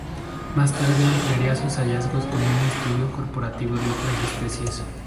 Más tarde ampliaría sus hallazgos con un estudio comparativo de otras especies.